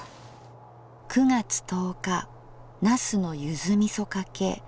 ９月１０日「茄子のゆづみそかけ」。